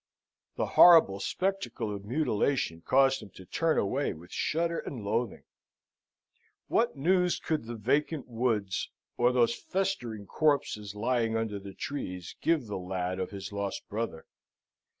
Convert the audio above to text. The horrible spectacle of mutilation caused him to turn away with shudder and loathing. What news could the vacant woods, or those festering corpses lying under the trees, give the lad of his lost brother?